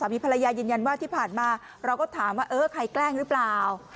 มีภรรยายืนยันว่าที่ผ่านมาเราก็ถามว่าเออใครแกล้งหรือเปล่า